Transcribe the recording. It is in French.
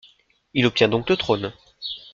Il obtient donc le trône.